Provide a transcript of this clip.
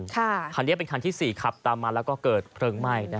คันนี้เป็นคันที่๔ขับตามมาแล้วก็เกิดเพลิงไหม้